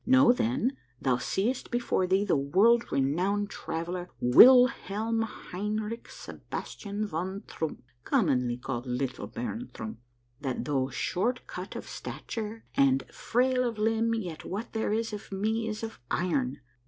Know, then, thou seest before thee the world renowned traveller, Wilhelm Hein rich Sebastian von Troomp, commonly called 'Little Baron Trump,' that though short of stature and frail of limb, yet what there is of me is of iron.